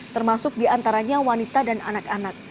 termasuk diantaranya wanita dan anak anak